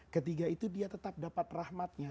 ketiga itu dia tetap dapat rahmatnya